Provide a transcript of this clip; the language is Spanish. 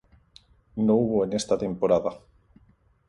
No hubo en esta temporada.